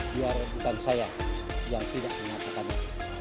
biar bukan saya yang tidak mengatakannya